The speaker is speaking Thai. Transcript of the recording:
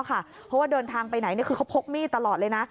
เพราะว่าเดินทางไปไหนคือเขาพกมีดตลอดเลยนะ